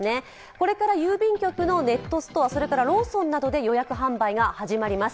これから郵便局のネットストア、それからローソンなどで予約販売が始まります。